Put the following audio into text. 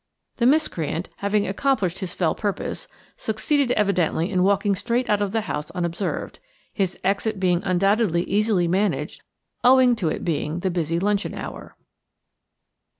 The miscreant, having accomplished his fell purpose, succeeded evidently in walking straight out of the house unobserved; his exit being undoubtedly easily managed owing to it being the busy luncheon hour.